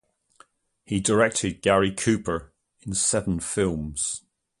He directed Gary Cooper in seven films.